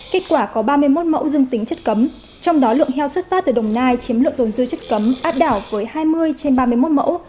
kết quả có ba mươi một mẫu dương tính chất cấm trong đó lượng heo xuất phát từ đồng nai chiếm lượng tồn dư chất cấm áp đảo với hai mươi trên ba mươi một mẫu